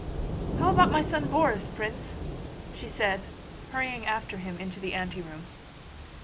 "How about my son Borís, Prince?" said she, hurrying after him into the anteroom.